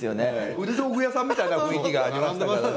古道具屋さんみたいな雰囲気がありましたからね。